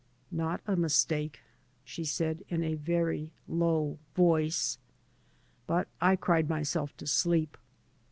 " Not a mistake," she said in a very low voice. But I cried myself to sleep.